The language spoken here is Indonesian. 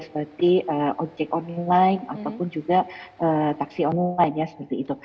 seperti ojek online ataupun juga taksi online ya seperti itu